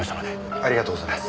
ありがとうございます。